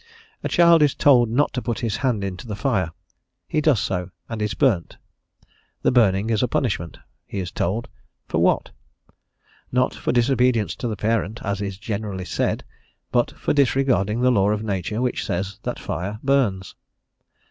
A child is told not to put his hand into the fire, he does so, and is burnt; the burning is a punishment, he is told; for what? Not for disobedience to the parent, as is generally said, but for disregarding the law of nature which says that fire burns.